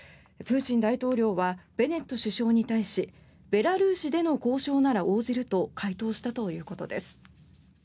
プーチン大統領はベネット首相に対しベラルーシでの交渉なら応じると回答したということです。